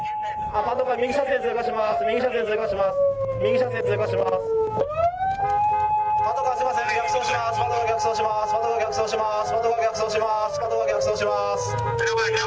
パトカー逆走します。